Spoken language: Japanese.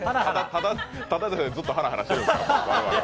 ただでさえずっとハラハラしてるんですから。